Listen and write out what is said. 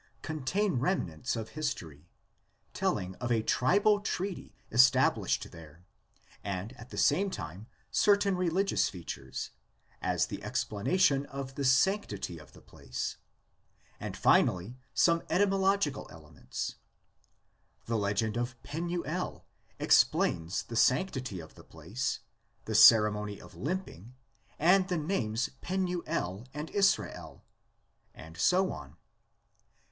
contain remnants of history, telling of a tribal treaty established there, and at the same time certain religious features, as the explanation of the sanctity of the place, and finally some etymological elements. — The legend of Penuel explains the sanctity of the place, the ceremony of limping, and the names Penuel and Israel. And so on.